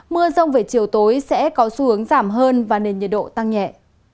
mưa rông về chiều tối sẽ có xu hướng giảm hơn và nền nhiệt độ tăng nhẹ